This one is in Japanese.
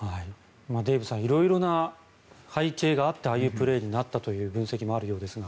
デーブさん色々な背景があってああいうプレーになったという分析もあるようですが。